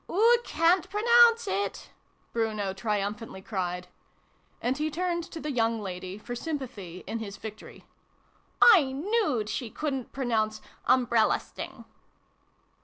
" Oo ca'n't pronounce it !" Bruno triumph antly cried. And he turned to the young lady, for sympathy in his victory. " I knewed she couldn't pronounce ' umbrella sting